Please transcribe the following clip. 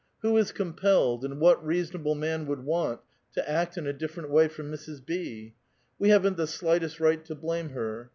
Who is compelled, and what reasonable man would want, to act in a dilferent way from Mrs. B. ? We haven't the slightest right to blame her.